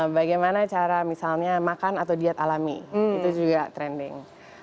bagaimana cara misalnya makan atau diet alami itu juga trending